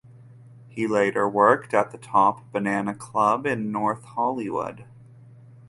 He later worked at the Top Banana Club in North Hollywood.